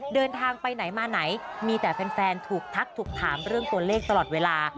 เดินทางไปไหนมาไหนมีแต่แฟนถูกทักถูกถามเรื่องตัวเลขตลอดเวลา